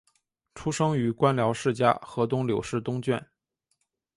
出生于官僚世家河东柳氏东眷。